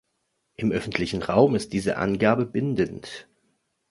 Im öffentlichen Raum ist diese Angabe bindend.